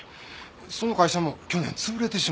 その会社も去年潰れてしもて。